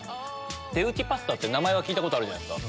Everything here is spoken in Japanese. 手打ちパスタって名前は聞いたことあるじゃないですか。